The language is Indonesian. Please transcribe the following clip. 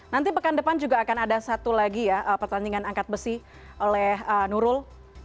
nanti pekan depan juga akan ada satu lagi ya pertandingan angkat besi oleh nurul